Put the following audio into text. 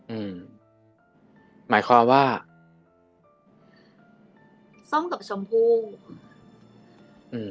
อืมหมายความว่าส้มกับชมพู่อืม